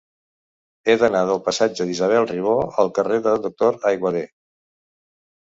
He d'anar del passatge d'Isabel Ribó al carrer del Doctor Aiguader.